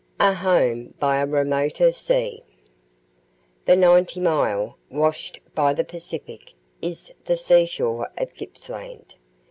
A HOME BY A REMOTER SEA. The Ninety Mile, washed by the Pacific, is the sea shore of Gippsland.